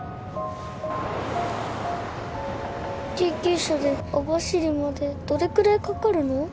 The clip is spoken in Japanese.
救急車で網走までどれくらいかかるの？